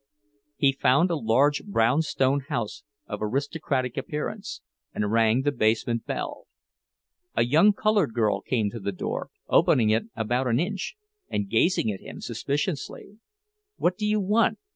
He found a large brownstone house of aristocratic appearance, and rang the basement bell. A young colored girl came to the door, opening it about an inch, and gazing at him suspiciously. "What do you want?"